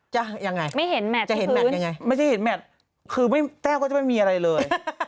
จะเห็นแมตต์อย่างไรไม่จะเห็นแมตต์คือแก้วก็จะไม่มีอะไรเลย